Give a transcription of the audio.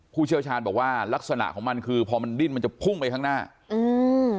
ผู้เชี่ยวชาญบอกว่าลักษณะของมันคือพอมันดิ้นมันจะพุ่งไปข้างหน้าอืม